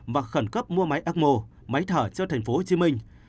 và khẩn cấp mua máy acmo máy thở cho thành phố hồ chí minh